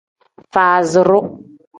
Faaziru.